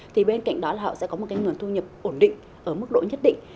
thì bên cạnh đó là họ sẽ có một cái nguồn thu nhập ổn định ở mức độ nhất định